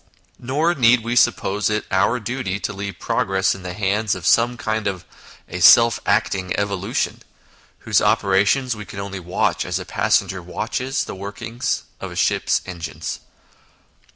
Nor need we suppose it our duty to leave pro 6 INTRODUCTION gress in the hands of some kind of a self acting evolution, whose operations we can only watch as a passenger watches the working of a ship's engines.